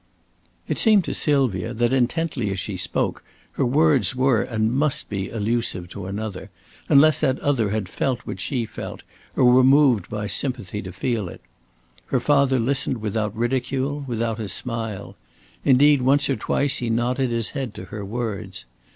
It seemed to Sylvia, that intently as she spoke, her words were and must be elusive to another, unless that other had felt what she felt or were moved by sympathy to feel it. Her father listened without ridicule, without a smile. Indeed, once or twice he nodded his head to her words.